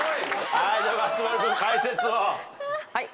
はい。